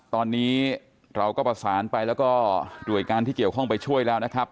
ตอนนี้เราก็ประสานไปแล้วก็หน่วยงานที่เกี่ยวข้องไปช่วยแล้วนะครับ